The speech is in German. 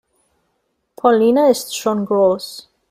Pauline ist schon groß.